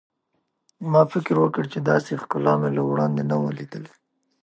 ما فکر وکړ چې داسې ښکلا مې له وړاندې نه وه لیدلې.